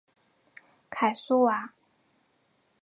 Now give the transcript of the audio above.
凯苏瓦。